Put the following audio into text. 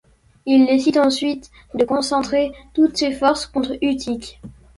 Il décide ensuite de concentrer toutes ses forces contre Utique.